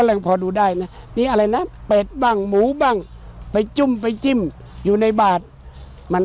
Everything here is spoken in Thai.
ยังพอดูได้นะมีอะไรนะเป็ดบ้างหมูบ้างไปจุ่มไปจิ้มอยู่ในบาทมัน